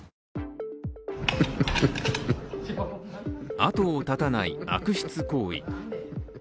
後を絶たない悪質行為。